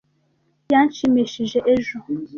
Yanshimishije ejo.